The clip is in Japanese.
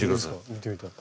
見てみたい。